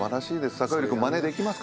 酒寄君まねできますか？